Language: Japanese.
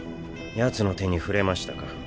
ヤツの手に触れましたか？